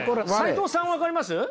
齋藤さんは分かります？